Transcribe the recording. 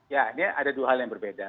ya ini ada dua hal yang berbeda